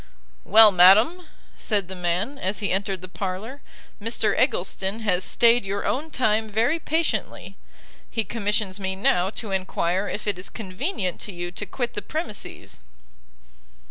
"Well, madam," said the man, as he entered the parlour, "Mr Eggleston has stayed your own time very patiently: he commissions me now to enquire if it is convenient to you to quit the premises."